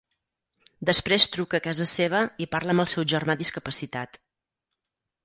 Després truca a casa seva i parla amb el seu germà discapacitat.